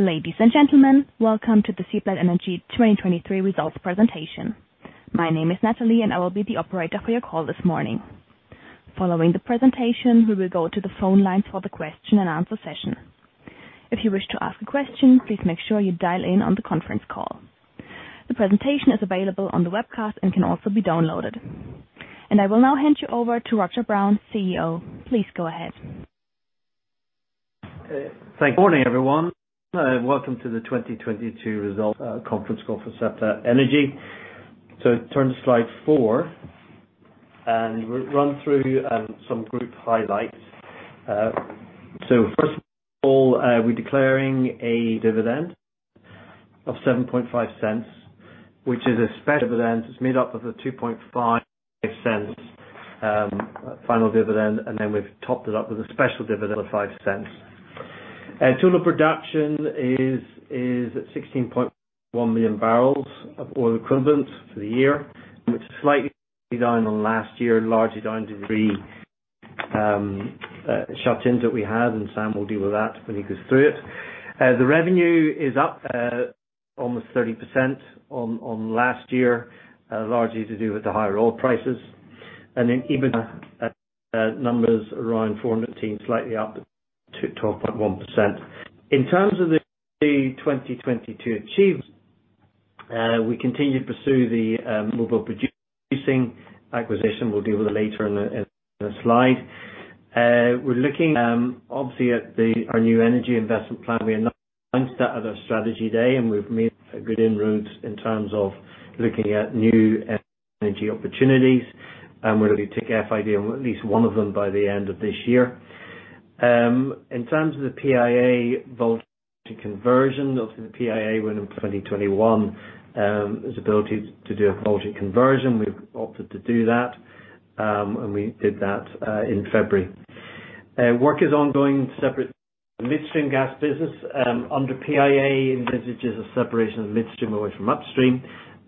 Ladies and gentlemen, welcome to the Seplat Energy 2022 Results Presentation. My name is Natalie, and I will be the operator for your call this morning. Following the presentation, we will go to the phone lines for the question and answer session. If you wish to ask a question, please make sure you dial in on the conference call. The presentation is available on the webcast and can also be downloaded. I will now hand you over to Roger Brown, CEO. Please go ahead. Thank you. Morning, everyone, welcome to the 2022 Result Conference Call for Seplat Energy. Turn to slide 4, and we'll run through some group highlights. First of all, we're declaring a dividend of $0.075, which is a special dividend. It's made up of a $0.025 final dividend, and then we've topped it up with a special dividend of $0.05. Total production is 16.1 million barrels of oil equivalent for the year, which is slightly down on last year, largely down to 3 shut-ins that we had, and Sam will deal with that when he goes through it. The revenue is up almost 30% on last year, largely to do with the higher oil prices. EBITDA numbers around $415, slightly up to 12.1%. In terms of the 2022 achievements, we continue to pursue the Mobil Producing acquisition. We'll deal with that later in the slide. We're looking obviously at our new energy investment plan. We announced that at our strategy day, and we've made good inroads in terms of looking at new energy opportunities. We're going to take FID on at least one of them by the end of this year. In terms of the PIA voluntary conversion, obviously the PIA went in 2021. There's ability to do a voluntary conversion. We've opted to do that, and we did that in February. Work is ongoing in Seplat midstream gas business under PIA. This is a separation of midstream away from upstream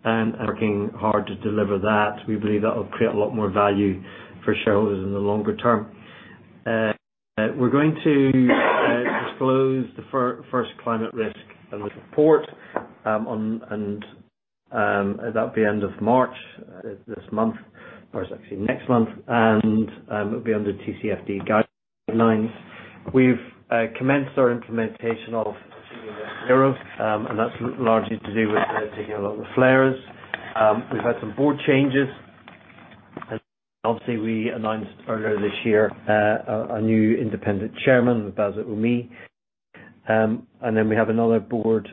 and working hard to deliver that. We believe that will create a lot more value for shareholders in the longer term. We're going to disclose the first climate risk and the report, that'll be end of March, this month, or it's actually next month. It'll be under TCFD guidelines. We've commenced our implementation of achieving net zero, and that's largely to do with taking a lot of the flares. We've had some Board changes. Obviously, we announced earlier this year, a new independent Chairman, Basil Omiyi. We have another Board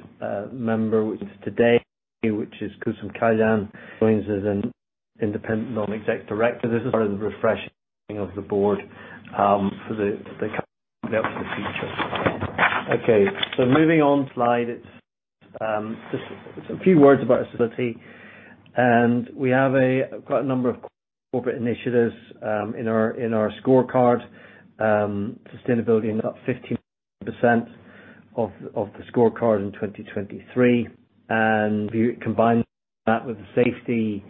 member which is today, which is Koosum Kalyan, joins as an independent non-exec director. This is part of the refreshing of the Board for the coming up for the future. Okay, moving on slide, it's just a few words about sustainability. We have a quite a number of corporate initiatives in our scorecard. Sustainability is about 15% of the scorecard in 2023. If you combine that with the safety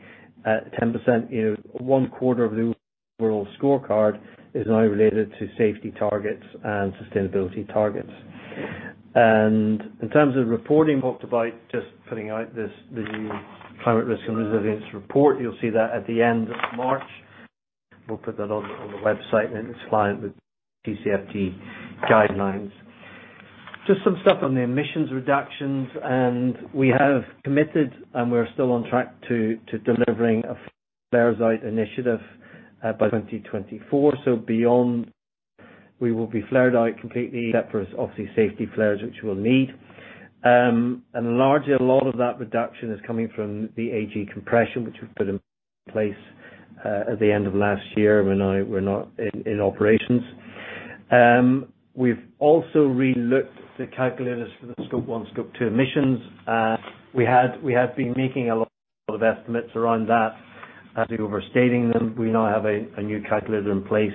at 10%, you know, one quarter of the overall scorecard is now related to safety targets and sustainability targets. In terms of reporting, talked about just putting out this, the climate risk and resilience report. You'll see that at the end of March. We'll put that on the website, and it's compliant with TCFD guidelines. Just some stuff on the emissions reductions. We have committed, and we're still on track to delivering a flares out initiative by 2024. Beyond we will be flared out completely separate, obviously safety flares, which we'll need. Largely a lot of that reduction is coming from the AG compression, which we've put in place at the end of last year. We're not in operations. We've also re-looked the calculators for the Scope 1, Scope 2 emissions. We have been making a lot of estimates around that, had to be overstating them. We now have a new calculator in place,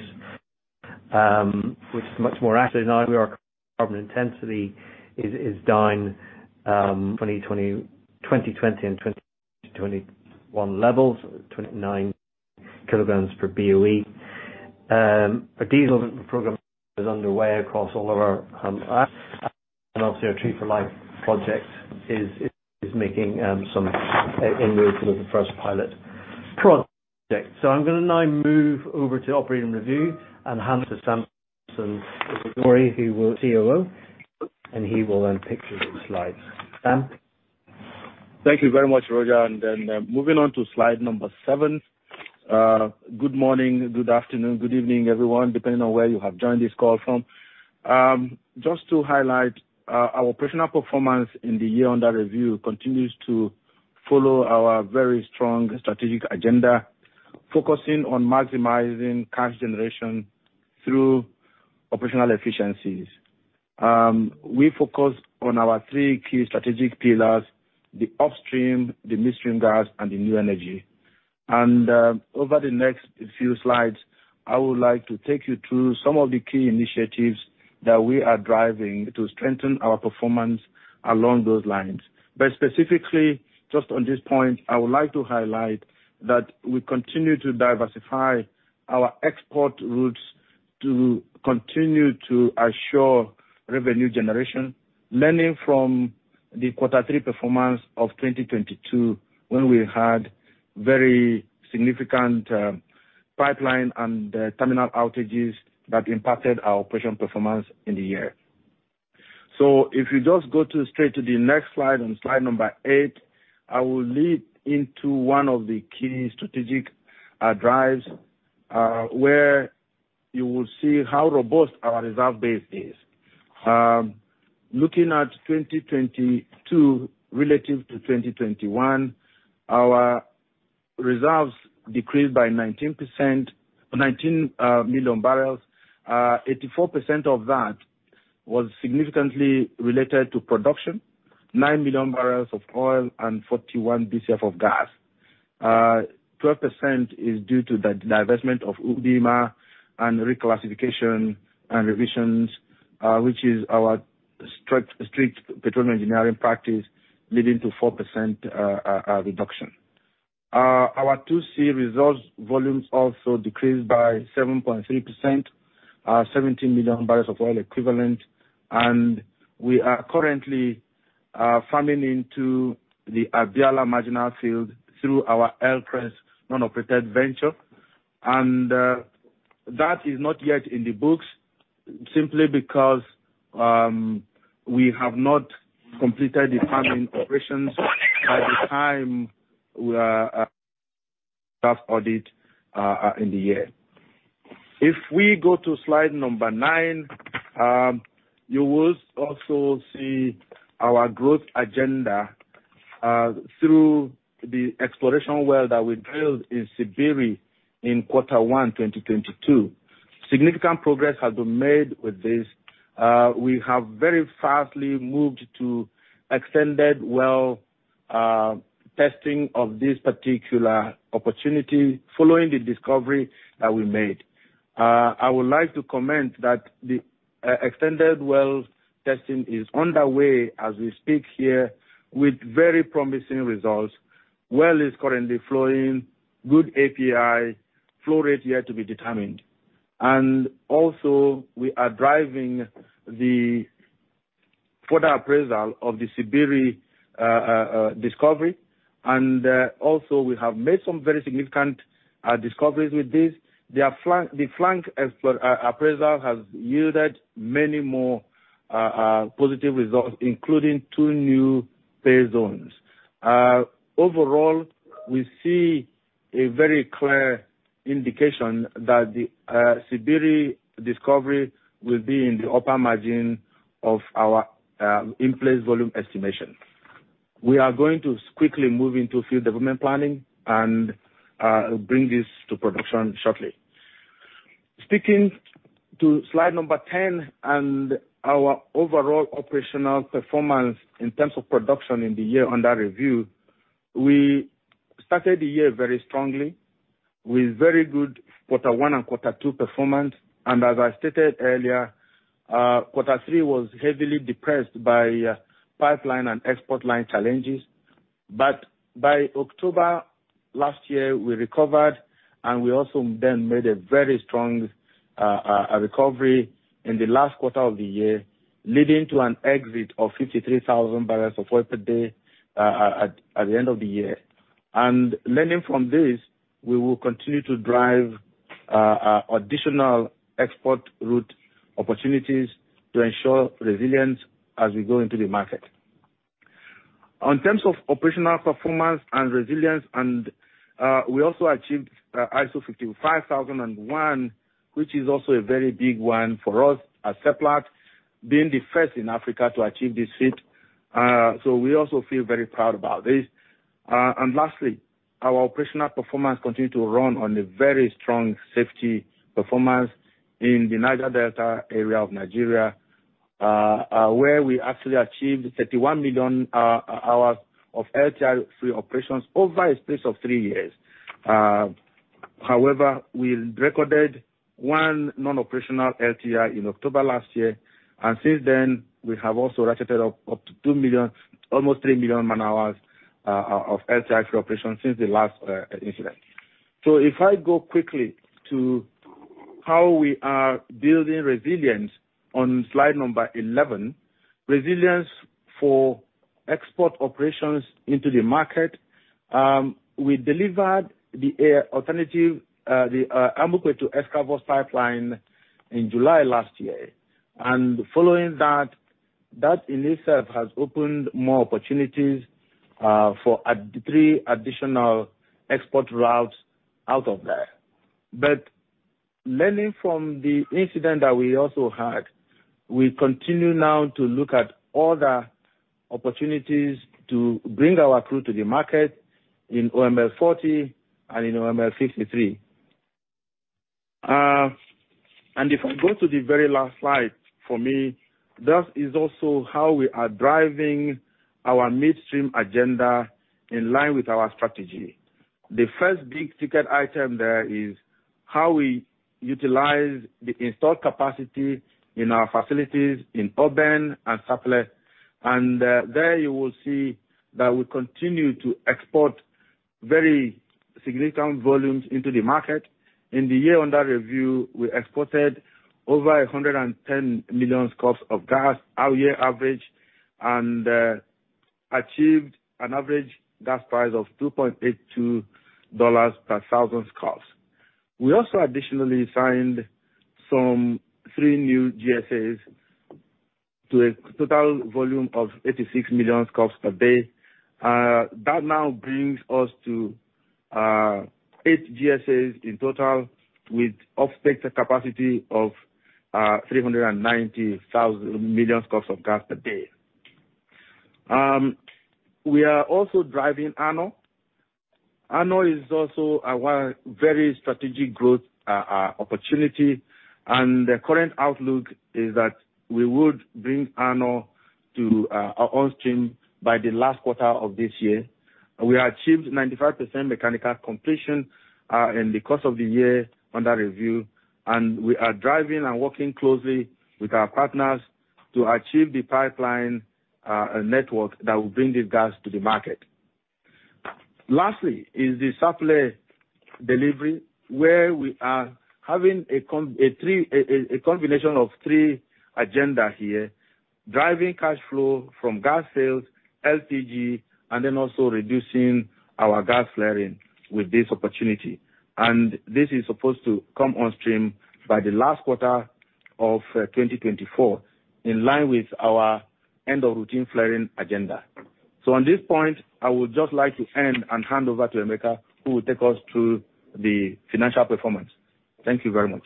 which is much more accurate. Our carbon intensity is down 2020 and 2021 levels, 29 kg per BOE. Our diesel program is underway across all of our, obviously our Tree4Life project is making some inroads with the first pilot project. I'm gonna now move over to operating review and hand to Samson Ezugworie, who is COO, and he will then take you through the slides. Sam. Thank you very much, Roger. Moving on to slide number 7. Good morning, good afternoon, good evening, everyone, depending on where you have joined this call from. Just to highlight, our operational performance in the year under review continues to follow our very strong strategic agenda, focusing on maximizing cash generation through operational efficiencies. We focus on our 3 key strategic pillars, the upstream, the midstream gas, and the new energy. Over the next few slides, I would like to take you through some of the key initiatives that we are driving to strengthen our performance along those lines. Specifically, just on this point, I would like to highlight that we continue to diversify our export routes to continue to assure revenue generation, learning from the quarter three performance of 2022, when we had very significant pipeline and terminal outages that impacted our operational performance in the year. So if you just go straight to the next slide, on slide 8, I will lead into one of the key strategic drives, where you will see how robust our reserve base is. Looking at 2022 relative to 2021, our reserves decreased by 19%... 19 million barrels. 84% of that was significantly related to production. 9 million barrels of oil and 41 Bcf of gas. 12% is due to the divestment of Ubima and reclassification and revisions, which is our strict petroleum engineering practice, leading to 4% reduction. Our 2C reserves volumes also decreased by 7.3%, 17 million BOE, and we are currently farming into the Abiala marginal field through our non-operated venture. That is not yet in the books simply because we have not completed the farming operations at the time we are staff audit in the year. If we go to slide number 9, you will also see our growth agenda through the exploration well that we drilled in Sibiri in Q1 2022. Significant progress has been made with this. We have very fastly moved to extended well testing of this particular opportunity following the discovery that we made. I would like to comment that the e-extended well testing is underway as we speak here with very promising results. Well is currently flowing, good API, flow rate yet to be determined. Also we are driving the further appraisal of the Sibiri discovery. Also we have made some very significant discoveries with this. The flank, the flank appraisal has yielded many more positive results, including two new pay zones. Overall, we see a very clear indication that the Sibiri discovery will be in the upper margin of our in-place volume estimation. We are going to quickly move into field development planning and bring this to production shortly. Speaking to slide number 10 and our overall operational performance in terms of production in the year under review, we started the year very strongly with very good quarter one and quarter two performance. As I stated earlier, quarter three was heavily depressed by pipeline and export line challenges. By October last year we recovered, and we also then made a very strong recovery in the last quarter of the year, leading to an exit of 53,000 barrels of oil per day at the end of the year. Learning from this, we will continue to drive additional export route opportunities to ensure resilience as we go into the market. On terms of operational performance and resilience, we also achieved ISO 55001, which is also a very big one for us at Seplat, being the first in Africa to achieve this feat. We also feel very proud about this. Lastly, our operational performance continued to run on a very strong safety performance in the Niger Delta area of Nigeria, where we actually achieved 31 million hours of LTI free operations over a space of 3 years. However, we recorded 1 non-operational LTI in October last year, and since then we have also ratcheted up to 2 million, almost 3 million man-hours of LTI free operations since the last incident. If I go quickly to how we are building resilience on slide number 11. Resilience for export operations into the market. We delivered the alternative the Amukpe-Escravos pipeline in July last year. Following that in itself has opened more opportunities for three additional export routes out of there. Learning from the incident that we also had, we continue now to look at other opportunities to bring our crude to the market in OML 40 and in OML 53. If I go to the very last slide, for me, that is also how we are driving our midstream agenda in line with our strategy. The first big ticket item there is how we utilize the installed capacity in our facilities in Oben and Seplat. There you will see that we continue to export very significant volumes into the market. In the year under review, we exported over 110 million scf of gas our year average, and achieved an average gas price of $2.82 per thousand scf. We also additionally signed some 3 new GSAs to a total volume of 86 million scf per day. That now brings us to 8 GSAs in total, with offtake capacity of 390 billion scf of gas per day. We are also driving ANOH. ANOH is also our very strategic growth opportunity. The current outlook is that we would bring ANOH to onstream by the last quarter of this year. We achieved 95% mechanical completion in the course of the year under review, and we are driving and working closely with our partners to achieve the pipeline network that will bring this gas to the market. Lastly, is the Sapele delivery, where we are having a combination of 3 agenda here, driving cash flow from gas sales, LPG, and then also reducing our gas flaring with this opportunity. This is supposed to come onstream by the last quarter of 2024, in line with our end of routine flaring agenda. On this point, I would just like to end and hand over to Emeka, who will take us through the financial performance. Thank you very much.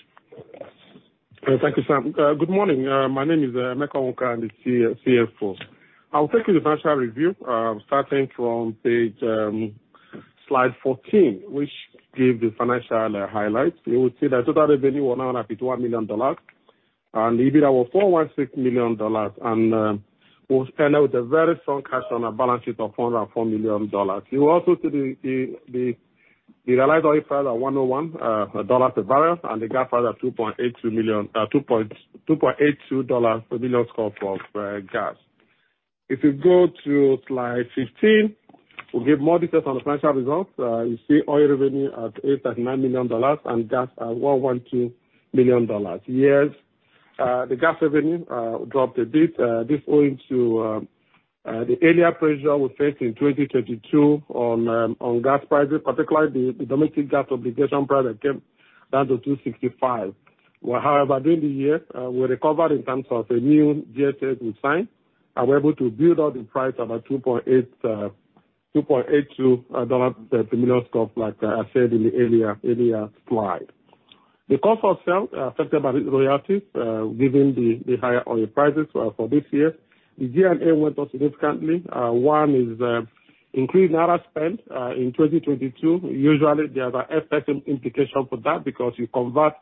Thank you, Sam. Good morning. My name is Emeka Onwuka, I'm the CFO. I'll take you to financial review, starting from page, slide 14, which give the financial highlights. You will see that total revenue $151 million, and EBITDA was $416 million. We stand out with a very strong cash on our balance sheet of $404 million. You will also see the realized oil price at $101 per barrel and the gas price at $2.82 per million scf of gas. If you go to slide 15, we give more details on the financial results. You see oil revenue at $839 million and gas at $112 million. Yes, the gas revenue dropped a bit, this owing to the earlier pressure we faced in 2022 on gas prices, particularly the Domestic Gas Delivery Obligation price that came down to $2.65. However, during the year, we recovered in terms of the new GSAs we signed, and we're able to build out the price of a $2.8, $2.82 per million scf like I said in the earlier slide. The cost of sale affected by royalties, given the higher oil prices for this year. The G&A went up significantly. One is increased Naira spend in 2022. Usually there's a FX implication for that because you convert,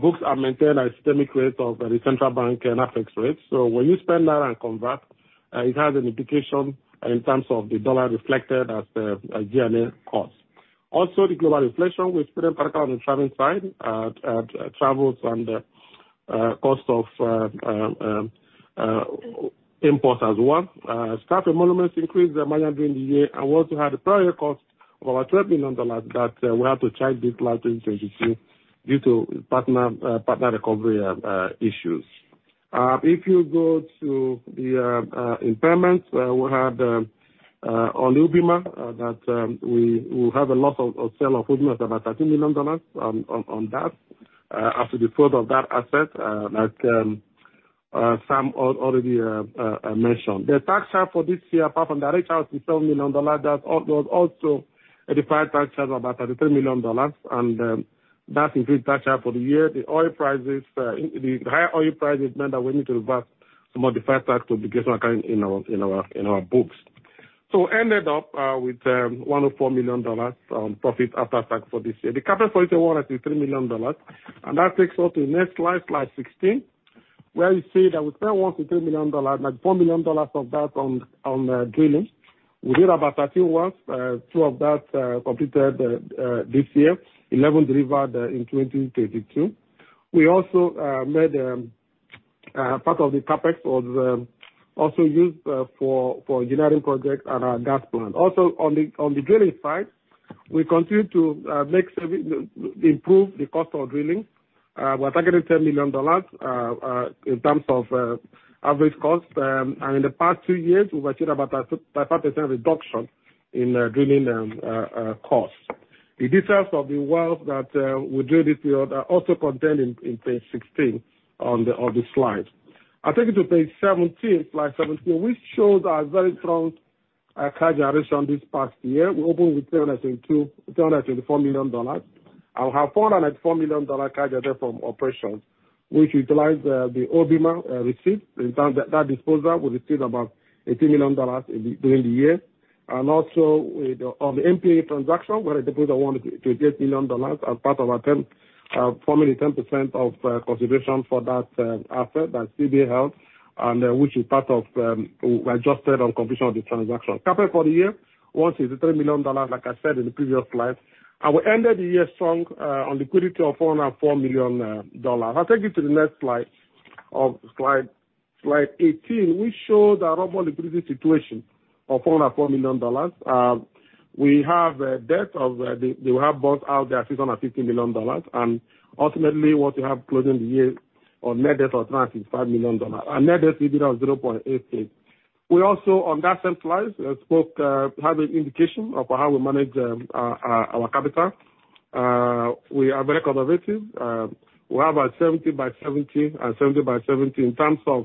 books are maintained at systemic rate of the central bank and FX rates. When you spend that and convert, it has an implication in terms of the $ reflected as the G&A cost. The global inflation which put impact on the traveling side, travels and cost of imports as well. Staff emoluments increased marginally during the year and we also had a prior cost of about $12 million that we had to charge this slide in 2022 due to partner recovery issues. If you go to the impairments, we had on Ubima that we have a loss of sale of Ubima of about $13 million on that after deferred of that asset, like Sam already mentioned. The tax share for this year apart from direct tax is $7 million. That was also a deferred tax share of about $33 million. That's increased tax share for the year. The oil prices, the higher oil prices meant that we need to reverse some of the deferred tax to the business account in our books. Ended up with $104 million on profit after tax for this year. The capital for it is $163 million. That takes us to the next slide 16, where you see that we spent $163 million, like $4 million of that on drilling. We did about 13 wells, 2 of that completed this year, 11 delivered in 2022. We also made part of the CapEx was also used for engineering projects and our gas plant. On the drilling side, we continue to make saving improve the cost of drilling. We're targeting $10 million in terms of average cost. In the past two years, we've achieved about a 5% reduction in drilling costs. The details of the wells that we drilled this year are also contained in page 16 on the slide. I'll take you to page 17, slide 17, which shows our very strong cash generation this past year. We opened with 302... $324 million and we have $404 million cash generation from operations, which utilized the Ubima receipt. In terms of that disposal, we received about $18 million during the year. Also on the NPA transaction, where we deposited $128 million as part of our formerly 10% of consideration for that asset that CBA held, which is part of, we adjusted on completion of the transaction. CapEx for the year, $163 million, like I said in the previous slide. We ended the year strong on liquidity of $404 million. I'll take you to the next slide 18, which shows our overall liquidity situation of $404 million. We have a debt of, they will have bought out their $650 million, ultimately what we have closing the year on net debt of $95 million. Net debt EBITDA of 0.88. We also on that same slide, have an indication of how we manage our capital. We are very conservative. We have our 70 by 70 and 70 by 70 in terms of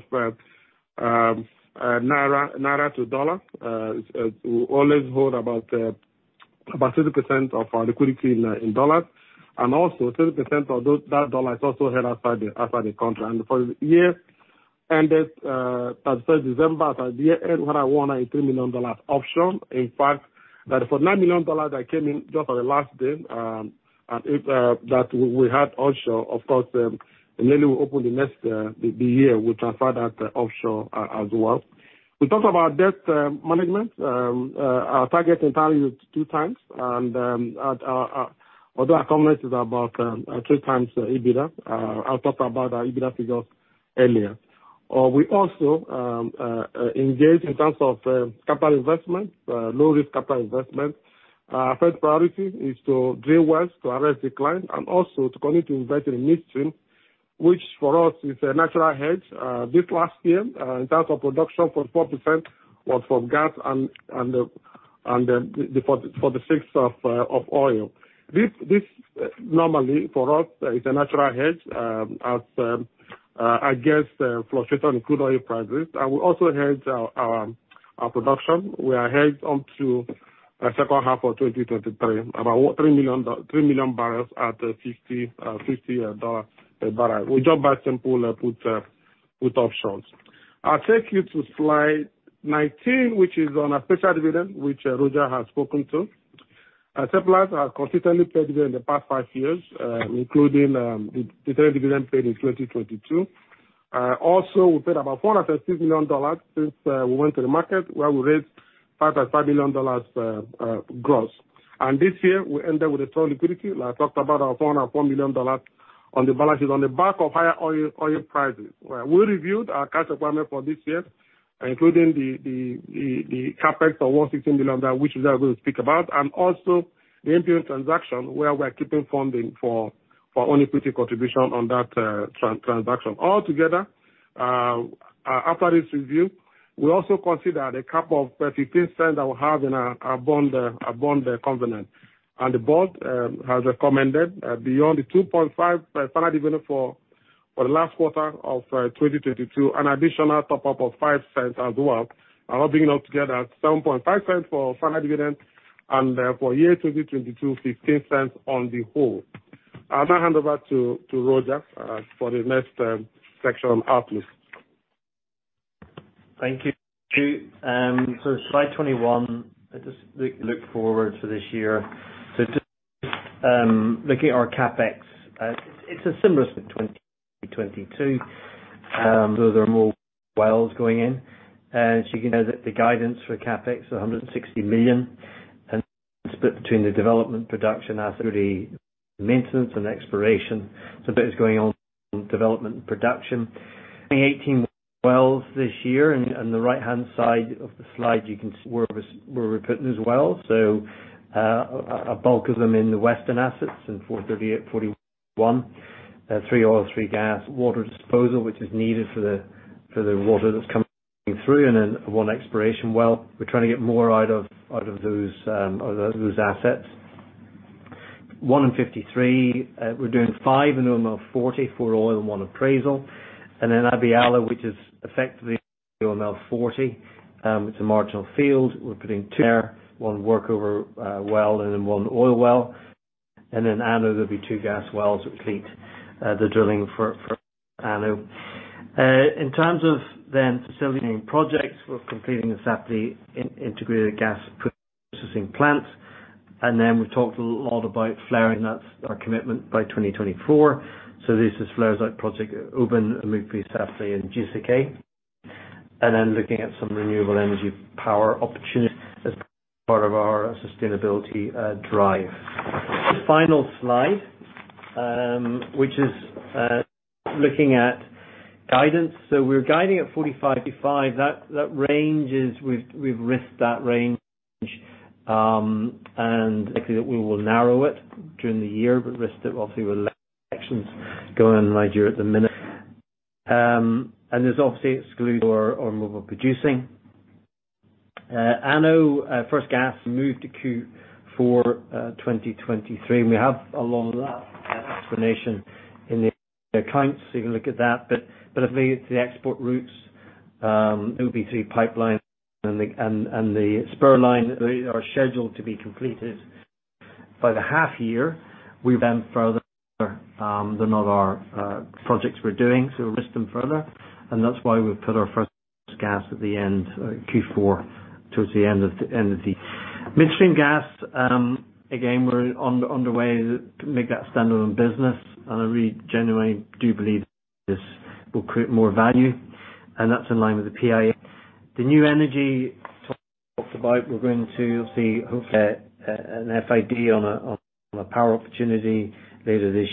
Naira to dollar. We always hold about 30% of our liquidity in dollars. Also 30% of that dollar is also held outside the country. For the year ended 31st December, as at year end, we had $103 million option. In fact, the $49 million that came in just on the last day, and it that we had offshore. Of course, immediately we open the next the year, we transfer that offshore as well. We talked about debt management. Our target entirely is 2x. At our, Although our comment is about 3x the EBITDA, I'll talk about our EBITDA figures earlier. We also engaged in terms of capital investment, low risk capital investment. Our first priority is to drill wells, to arrest decline, and also to continue to invest in midstream, which for us is a natural hedge. This last year, in terms of production, 44% was from gas and for the sakes of oil. This normally for us is a natural hedge as against fluctuation in crude oil prices. We also hedge our production. We are hedged onto second half of 2023, about 3 million barrels at $50 a barrel. We just buy simple put options. I'll take you to slide 19, which is on our special dividend, which Roger has spoken to. Seplat have consistently paid dividend in the past 5 years, including declared dividend paid in 2022. Also, we paid about $460 million since we went to the market where we raised $5.5 million gross. This year, we ended with a strong liquidity. Like I talked about, our $404 million on the balance sheet on the back of higher oil prices, where we reviewed our cash requirement for this year, including the CapEx of $160 million, which Roger will speak about, and also the MPN transaction where we're keeping funding for only equity contribution on that transaction. All together, after this review, we also considered a couple of $0.15 that we have in our bond covenant. The board has recommended beyond the $0.025 final dividend for the last quarter of 2022, an additional top-up of $0.05 as well. Adding up together $0.075 for final dividend and for year 2022, $0.15 on the whole. I'll now hand over to Roger for the next section on outlook. Thank you. Slide 21, I just look forward to this year. Just looking at our CapEx, it's as similar as to 2022, though there are more wells going in. As you can know that the guidance for CapEx, $160 million, split between the development production, security, maintenance and exploration. That's going on development and production. 18 wells this year, on the right-hand side of the slide, you can see where we're putting those wells. A bulk of them in the Western assets in OML 38, OML 41. 3 oil, 3 gas, water disposal, which is needed for the water that's coming through, then 1 exploration well. We're trying to get more out of those assets. 153, we're doing 5 in OML 40, 4 oil, 1 appraisal. Abiala, which is effectively OML 40, it's a marginal field. We're putting 2 there, 1 workover well and then 1 oil well. ANOH, there'll be 2 gas wells, which complete the drilling for ANOH. In terms of then sustaining projects, we're completing the Sapele integrated gas processing plant. We've talked a lot about flaring, that's our commitment by 2024. This is flareside project, Oben, Umuigbo, Sapele and GCK. Looking at some renewable energy power opportunities as part of our sustainability drive. The final slide, which is looking at guidance. We're guiding at 45-55. That range is we've risked that range, and likely that we will narrow it during the year, but risk that obviously with less actions going on right here at the minute. There's obviously exclude our Mobil Producing. ANOH, first gas moved to Q4, 2023, and we have a long explanation in the accounts, so you can look at that. The export routes, OB3 pipeline and the spur line, they are scheduled to be completed by the half year. We went further than all our projects we're doing, so we'll risk them further. That's why we've put our first gas at the end, Q4 towards the end of the Midstream gas, again, we're underway to make that a standalone business. I really genuinely do believe this will create more value, and that's in line with the PIA. The new energy we talked about, we're going to see hopefully an FID on a power opportunity later this.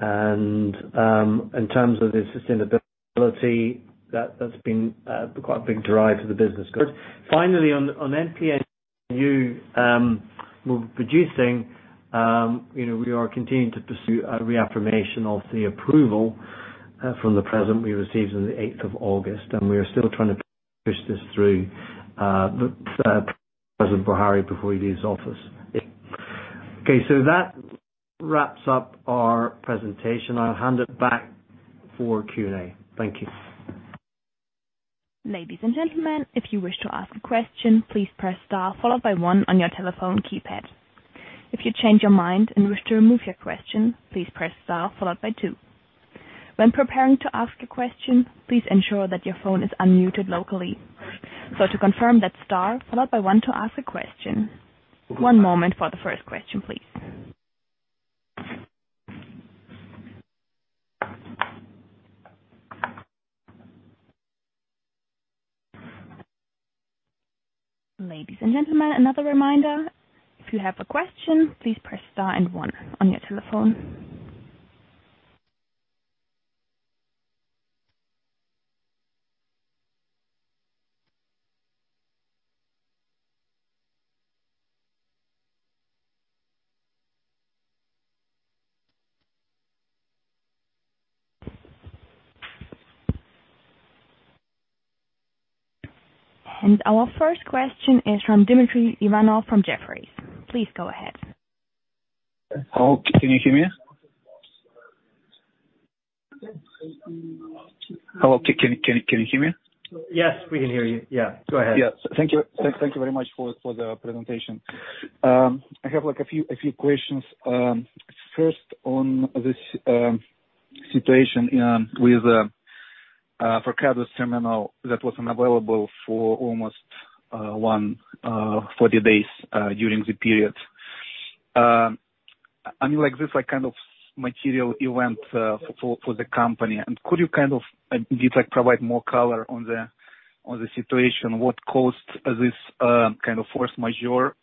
In terms of the sustainability that's been quite a big drive for the business. Good. Finally, on MPNU, we're producing, you know, we are continuing to pursue a reaffirmation of the approval from the President we received on the 8th of August, and we are still trying to push this through the President Buhari before he leaves office. That wraps up our presentation. I'll hand it back for Q&A. Thank you. Ladies and gentlemen, if you wish to ask a question, please press star followed by one on your telephone keypad. If you change your mind and wish to remove your question, please press star followed by two. When preparing to ask a question, please ensure that your phone is unmuted locally. To confirm that star followed by one to ask a question. One moment for the first question, please. Ladies and gentlemen, another reminder, if you have a question, please press star and one on your telephone. Our first question is from [Denise Silano] from Jefferies. Please go ahead. Hello, can you hear me? Hello, can you hear me? Yes, we can hear you. Yeah, go ahead. Thank you. Thank you very much for the presentation. I have, like, a few questions. First on this situation with Forcados Terminal that was unavailable for almost 140 days during the period. I mean, like, this, like, kind of material event for the company. Could you kind of provide more color on the situation, what caused this kind of force majeure?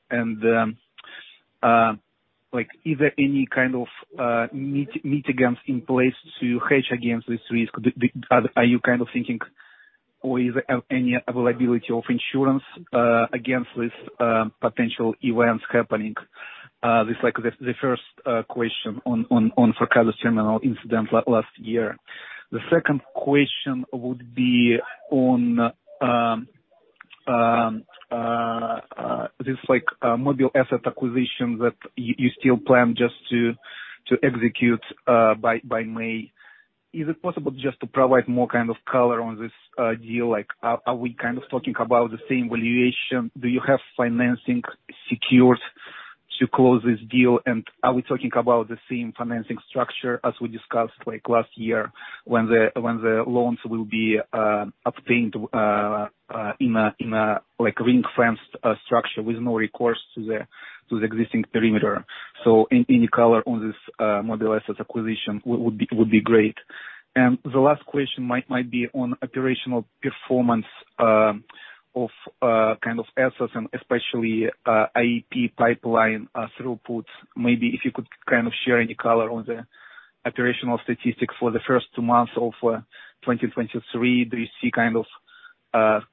Is there any kind of mitigants in place to hedge against this risk? Are you kind of thinking or is any availability of insurance against this potential events happening? This like the first question on Forcados Terminal incident last year. The second question would be on this like Mobil asset acquisition that you still plan just to execute by May. Is it possible just to provide more kind of color on this deal? Like, are we kind of talking about the same valuation? Do you have financing secured to close this deal? Are we talking about the same financing structure as we discussed, like, last year when the loans will be obtained in a like ring-fenced structure with no recourse to the existing perimeter? Any color on this Mobil assets acquisition would be great. The last question might be on operational performance of kind of assets and especially IP pipeline throughput. Maybe if you could kind of share any color on the operational statistics for the first two months of 2023? Do you see kind of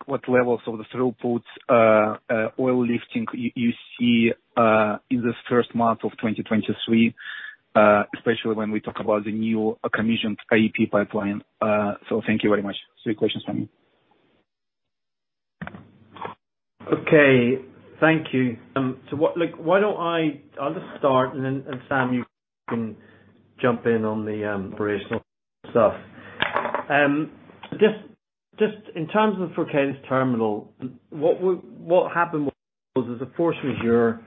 what levels of the throughput oil lifting you see in the first month of 2023, especially when we talk about the new commissioned IP pipeline? Thank you very much. Three questions for me. Okay. Thank you. Like, why don't I just start and then Sam, you can jump in on the operational stuff. In terms of Forcados Terminal, what happened was a force majeure,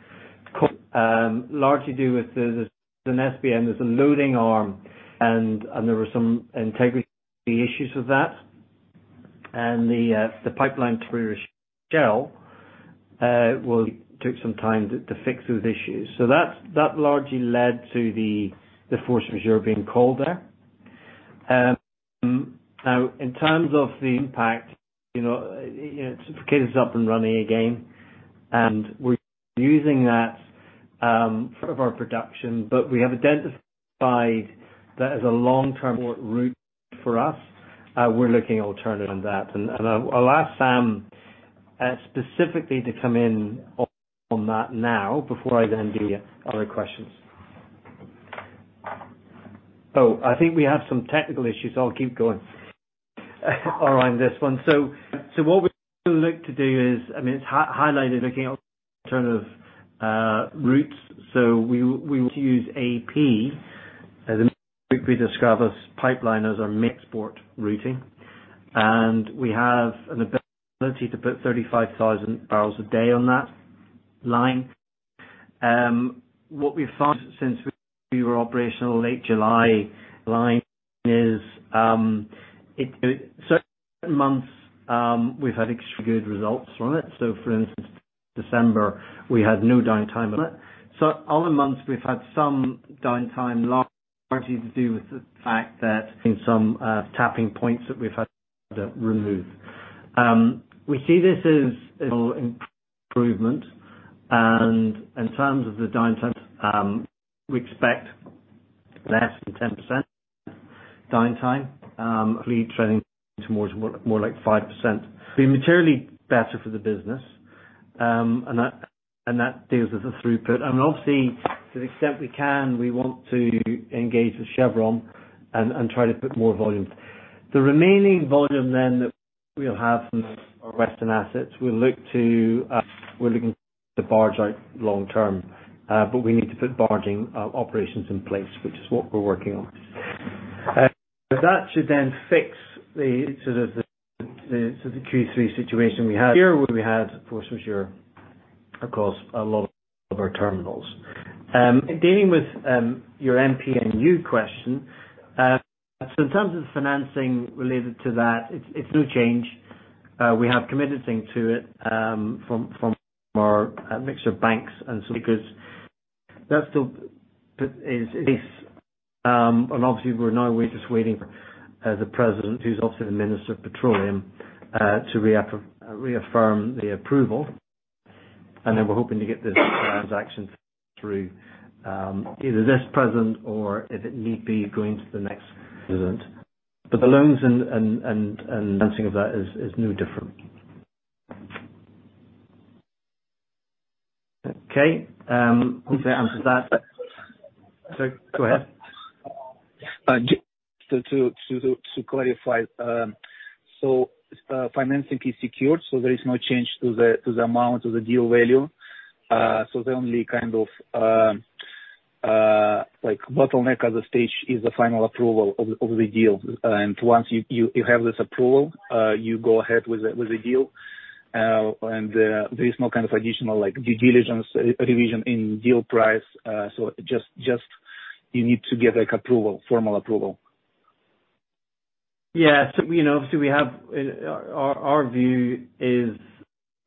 largely due with an SBM. There's a loading arm and there were some integrity issues with that. The pipeline through Shell, well, took some time to fix those issues. That largely led to the force majeure being called there. Now in terms of the impact, you know, Forcados is up and running again, and we're using that of our production. We have identified that as a long-term route for us, we're looking at alternative on that. I'll ask Sam specifically to come in on that now before I go to the other questions. I think we have some technical issues. I'll keep going around this one. What we look to do is, I mean, it's highlighted looking at alternative routes. We want to use AP as a in case we discover pipeline as our mid-export routing. We have an ability to put 35,000 barrels a day on that line. What we found since we were operational late July line is, certain months, we've had extremely good results from it. For instance, December, we had no downtime on it. Other months we've had some downtime largely to do with the fact that in some tapping points that we've had to remove. We see this as improvement. In terms of the downtime, we expect less than 10% downtime, lead trending to more like 5%. Be materially better for the business, and that deals with the throughput. Obviously, to the extent we can, we want to engage with Chevron and try to put more volume. The remaining volume then that we'll have from our western assets, we'll look to, we're looking to barge out long term, but we need to put barging operations in place, which is what we're working on. That should then fix the sort of the Q3 situation we had here, where we had force majeure across a lot of our terminals. Dealing with your MPNU question. In terms of the financing related to that, it's no change. We have committed thing to it from our, a mixture of banks and so because that's still is, and obviously we're now we're just waiting, the President, who's also the Minister of Petroleum, to reaffirm the approval. We're hoping to get this transaction through either this present or if it need be, going to the next president. The loans and financing of that is no different. Okay, hopefully I answered that. Sam, go ahead. To clarify. Financing is secured, so there is no change to the amount of the deal value. The only kind of like bottleneck at the stage is the final approval of the deal. Once you have this approval, you go ahead with the deal. There is no kind of additional like due diligence revision in deal price. Just you need to get like approval, formal approval. Yeah. You know, we have our view is,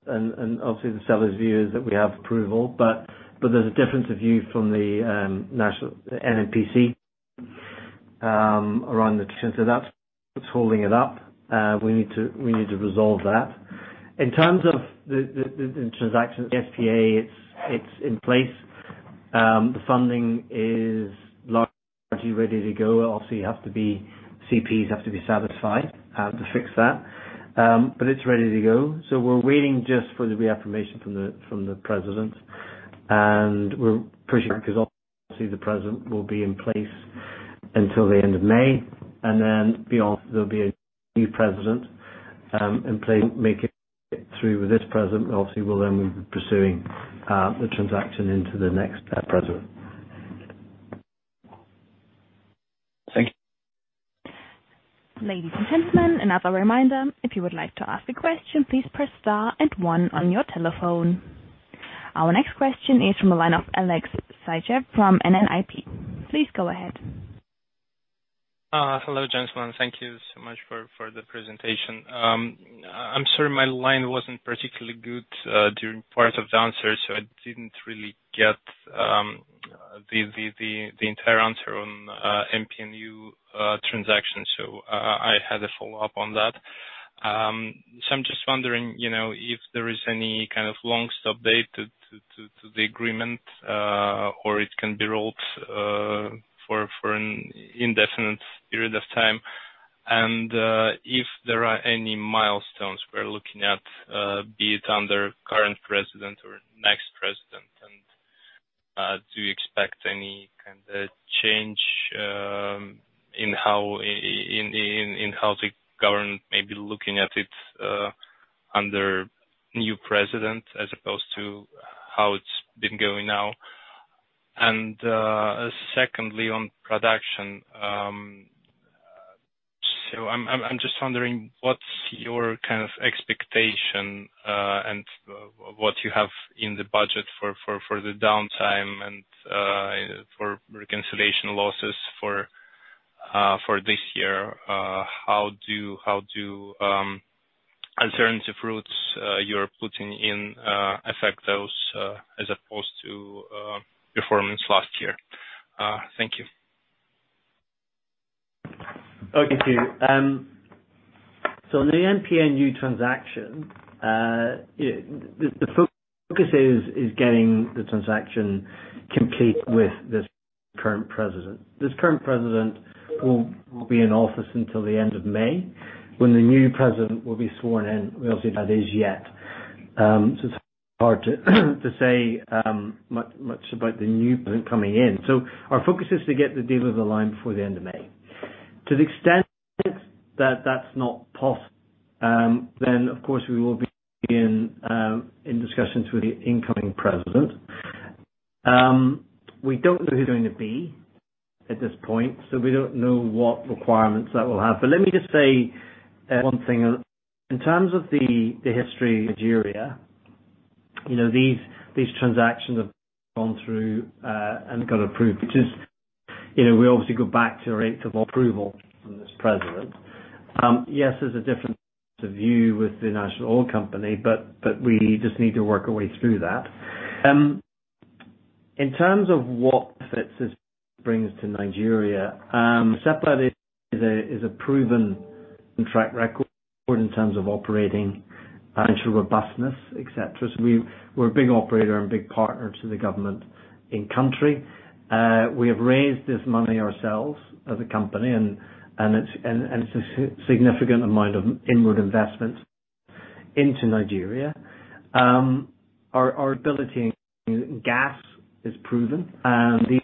and obviously the seller's view is that we have approval, but there's a difference of view from the national NNPC around the terms that's what's holding it up. We need to resolve that. In terms of the transaction SPA, it's in place. The funding is largely ready to go. Obviously, CPs have to be satisfied to fix that. It's ready to go. We're waiting just for the reaffirmation from the president. We're pretty sure, because obviously the president will be in place until the end of May, and then beyond there'll be a new president in place. Make it through with this president. Obviously, we'll then be pursuing, the transaction into the next, president. Thank you. Ladies and gentlemen, another reminder, if you would like to ask a question, please press star one on your telephone. Our next question is from the line of Alex Sacher from NNIP. Please go ahead. Hello, gentlemen. Thank you so much for the presentation. I'm sorry my line wasn't particularly good during part of the answer, so I didn't really get the entire answer on MPNU transaction. I had a follow-up on that. I'm just wondering, you know, if there is any kind of long update to the agreement, or it can be rolled for an indefinite period of time. If there are any milestones we're looking at, be it under current President or next President. Do you expect any kind of change in how the government may be looking at it under new President as opposed to how it's been going now? Secondly, on production, so I'm just wondering what's your kind of expectation, and what you have in the budget for the downtime and for reconciliation losses for this year? How do alternative routes you're putting in affect those as opposed to performance last year? Thank you. Okay. Thank you. On the MPNU transaction, the focus is getting the transaction complete with this current president. This current president will be in office until the end of May when the new president will be sworn in. We don't see how that is yet. It's hard to say much about the new president coming in. Our focus is to get the deal of the line before the end of May. To the extent that that's not poss, of course we will be in discussions with the incoming president. We don't know who's going to be at this point, we don't know what requirements that will have. Let me just say one thing. In terms of the history of Nigeria, you know, these transactions have gone through and got approved, which is, you know, we obviously go back to a rate of approval from this President. Yes, there's a difference of view with the national oil company, but we just need to work our way through that. In terms of what benefits this brings to Nigeria, Seplat is a proven track record in terms of operating financial robustness, et cetera. We're a big operator and big partner to the government in country. We have raised this money ourselves as a company and it's a significant amount of inward investment into Nigeria. Our ability in gas is proven, and these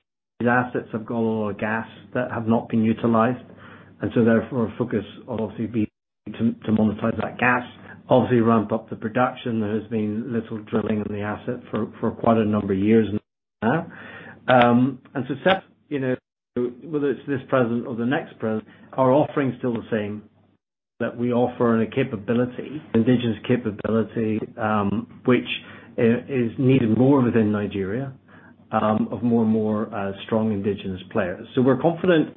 assets have got a lot of gas that have not been utilized. Therefore, our focus will obviously be to monetize that gas, obviously ramp up the production. There has been little drilling in the asset for quite a number of years now. Success, you know, whether it's this President or the next President, our offering is still the same, that we offer a capability, indigenous capability, which is needed more within Nigeria, of more and more strong indigenous players. So we're confident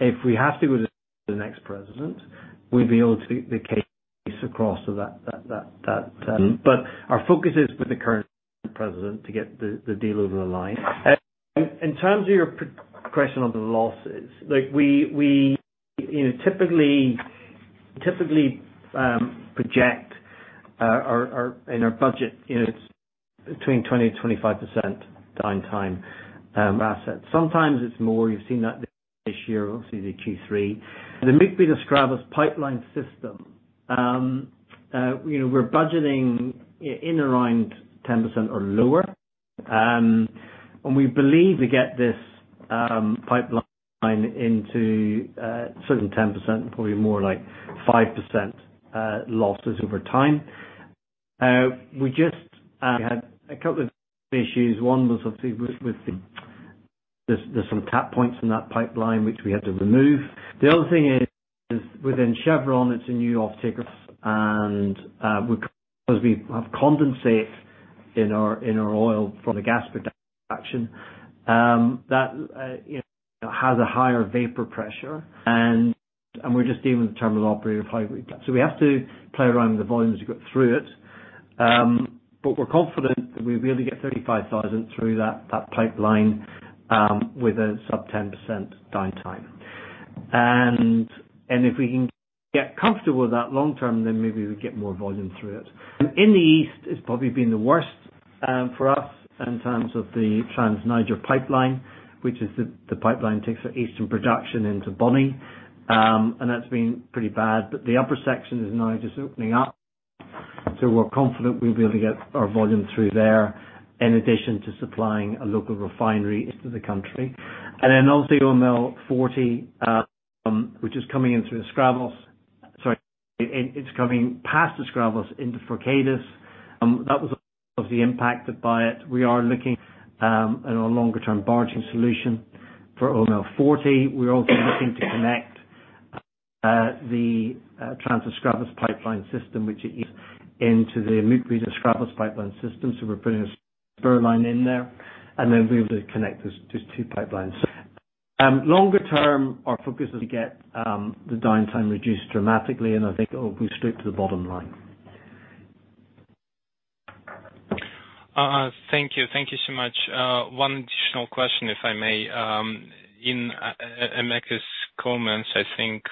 if we have to go to the next President, we'd be able to take the case across so that. Our focus is with the current President to get the deal over the line. In terms of your pre-question on the losses, like we, you know, typically project in our budget, you know, it's between 20%-25% downtime assets. Sometimes it's more, you've seen that this year, obviously the Q3. The Amukpe to Escravos pipeline system, you know, we're budgeting in around 10% or lower. We believe to get this pipeline into certain 10%, probably more like 5% losses over time. We just had a couple of issues. One was obviously there's some tap points in that pipeline which we had to remove. The other thing is within Chevron, it's a new offtake, and because we have condensate in our, in our oil from the gas production, you know, that has a higher vapor pressure and we're just dealing with the terminal operator of how we've done. We have to play around with the volumes to go through it. But we're confident that we'll be able to get 35,000 through that pipeline, with a sub 10% downtime. If we can get comfortable with that long term, then maybe we get more volume through it. In the east, it's probably been the worst for us in terms of the TransNiger pipeline, which is the pipeline takes the eastern production into Bonny. That's been pretty bad. The upper section is now just opening up, so we're confident we'll be able to get our volume through there in addition to supplying a local refinery into the country. Also OML 40, which is coming past the Escravos into Forcados. That was also impacted by it. We are looking at a longer-term barging solution for OML 40. We're also looking to connect the Trans-Escravos pipeline system, which is into the Magbale to Escravos pipeline system. So we're putting a spur line in there, and then we'll be able to connect those two pipelines. Longer term, our focus is to get the downtime reduced dramatically, and I think it will boost straight to the bottom line. Thank you. Thank you so much. One additional question, if I may. In Emeka's comments, I think,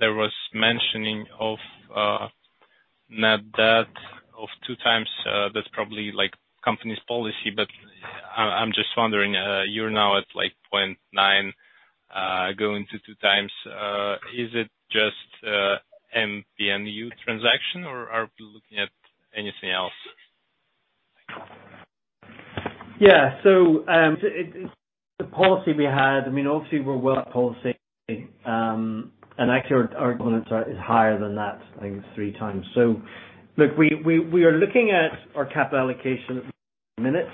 there was mentioning of net debt of 2x. That's probably like company's policy, but I'm just wondering, you're now at like 0.9x, going to 2x. Is it just MPNU transaction or are we looking at anything else? It's the policy we had. I mean, obviously we're well policy, and actually our covenants are, is higher than that, I think it's 3x. Look, we are looking at our capital allocation at the minute.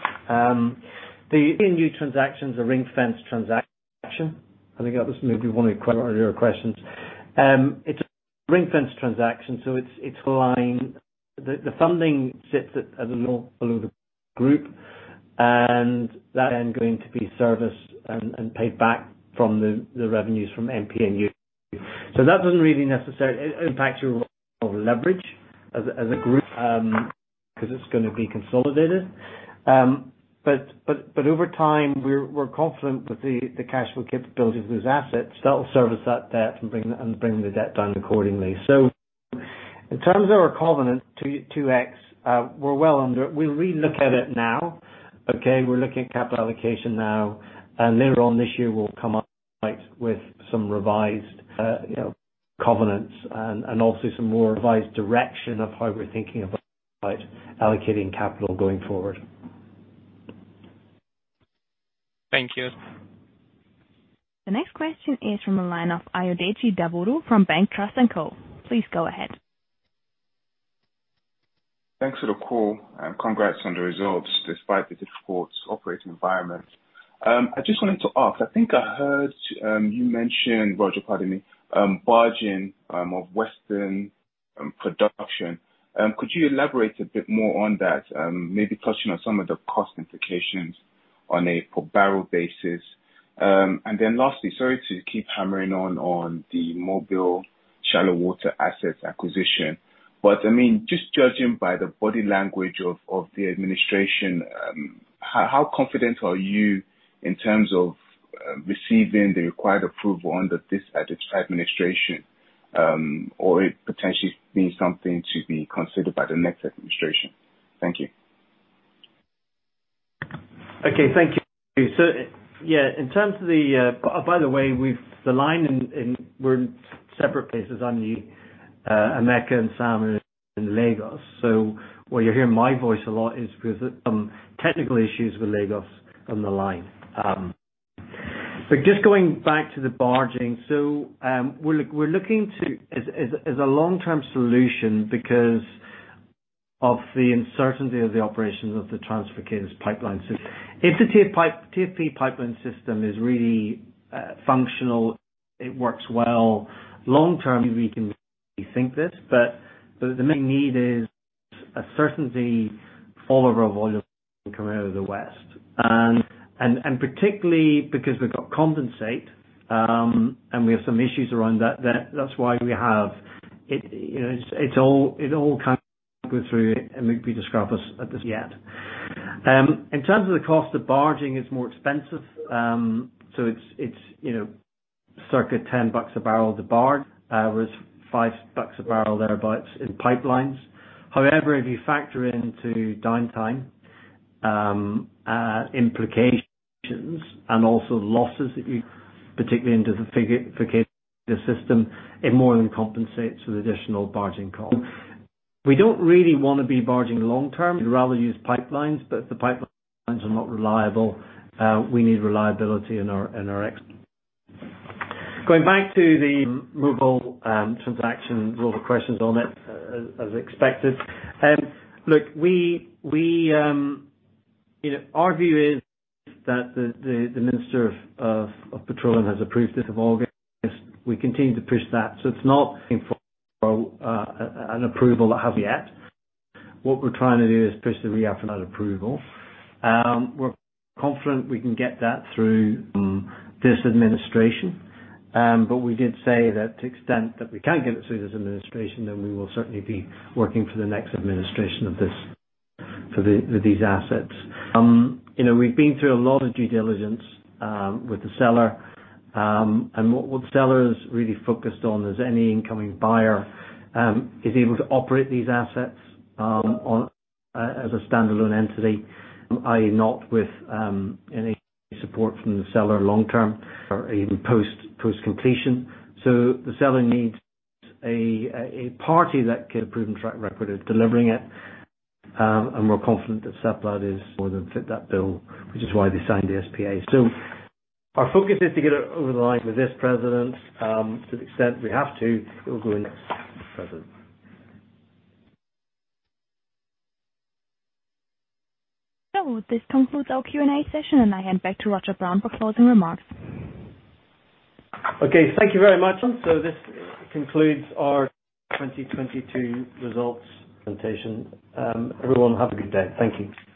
The MPNU transaction's a ring-fence transaction. I think that was maybe one of your earlier questions. It's a ring-fence transaction, so it's aligned. The funding sits at a level below the group, and that then going to be serviced and paid back from the revenues from MPNU. That doesn't really necessarily impact your leverage as a group, because it's gonna be consolidated. But over time we're confident with the cash flow capabilities of those assets, that will service that debt and bring the debt down accordingly. In terms of our covenant 2.2x, we're well under it. We'll relook at it now, okay? We're looking at capital allocation now, and later on this year we'll come up with some revised, you know, covenants and also some more revised direction of how we're thinking about allocating capital going forward. Thank you. The next question is from the line of Ayodeji Adelagun from Standard Bank Group. Please go ahead. Thanks for the call and congrats on the results despite the difficult operating environment. I just wanted to ask, I think I heard you mention, Roger, pardon me, barging of Western production. Could you elaborate a bit more on that, maybe touching on some of the cost implications on a per barrel basis? And then lastly, sorry to keep hammering on the Mobil shallow water assets acquisition. I mean, just judging by the body language of the administration, how confident are you in terms of receiving the required approval under this administration, or it potentially being something to be considered by the next administration? Thank you. Okay. Thank you. Yeah, in terms of the. By the way, we've aligned and we're in separate places. I'm in America and Sam is in Lagos. Why you're hearing my voice a lot is because of some technical issues with Lagos on the line. Just going back to the barging. We're looking to as a long-term solution because of the uncertainty of the operations of the Trans Forcados Pipeline System. If the TFP Pipeline System is really functional, it works well, long term, we can rethink this, the main need is a certainty for our volume coming out of the West. Particularly because we've got compensate and we have some issues around that's why we have it. You know, it all kind of go through, and we'd be distrustful at this yet. In terms of the cost of barging, it's more expensive. It's, you know, circa $10 a barrel to barge, whereas $5 a barrel thereabouts in pipelines. If you factor into downtime, implications and also losses that you... particularly into the Forcados system, it more than compensates for the additional barging cost. We don't really wanna be barging long term. We'd rather use pipelines, but the pipelines are not reliable. We need reliability in our ex. Going back to the Mobil transaction, lot of questions on it as expected. Look, we, you know, our view is that the Minister of Petroleum has approved it in August. We continue to push that. It's not for an approval that have yet. What we're trying to do is push the re-affirmed approval. We're confident we can get that through this administration. We did say that to the extent that we can't get it through this administration, we will certainly be working for the next administration for these assets. You know, we've been through a lot of due diligence with the seller, and what the seller is really focused on is any incoming buyer is able to operate these assets as a standalone entity, i.e., not with any support from the seller long term or even post-completion. The seller needs a party that can proven track record of delivering it. We're confident that Seplat is more than fit that bill, which is why they signed the SPA. Our focus is to get it over the line with this President, to the extent we have to, it will go in next President. This concludes our Q&A session, and I hand back to Roger Brown for closing remarks. Okay. Thank you very much. This concludes our 2022 Results Presentation. Everyone have a good day. Thank you.